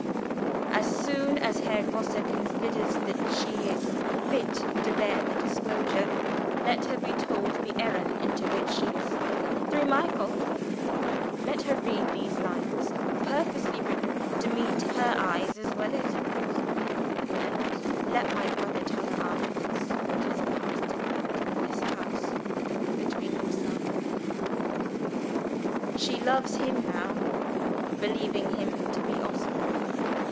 As soon as Herr Grosse considers that she is fit to bear the disclosure, let her be told of the error into which she has fallen (through my fault) let her read these lines, purposely written to meet her eye as well as yours and let my brother tell her afterwards what has passed to night in this house between himself and me. She loves him now, believing him to be Oscar.